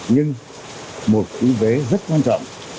nhưng một cái vế rất quan trọng